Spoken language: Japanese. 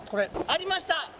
ありました！